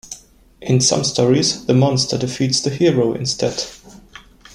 In some stories the monster defeats the hero instead.